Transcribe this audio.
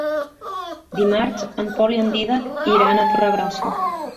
Dimarts en Pol i en Dídac iran a Torregrossa.